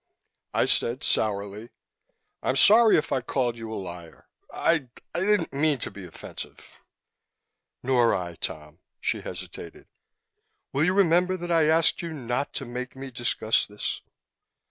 I said sourly, "I'm sorry if I called you a liar. I I didn't mean to be offensive." "Nor I, Tom," she hesitated. "Will you remember that I asked you not to make me discuss it?"